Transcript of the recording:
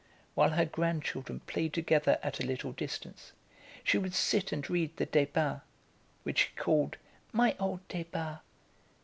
While her grandchildren played together at a little distance, she would sit and read the Débats, which she called "My old Débats!"